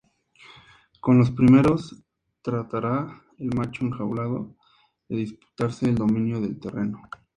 Con los primeros tratará el macho enjaulado de disputarse el dominio del terreno.